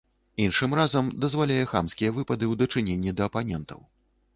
Іншым разам дазваляе хамскія выпады ў дачыненні да апанентаў.